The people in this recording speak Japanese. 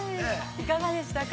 ◆いかがでしたか。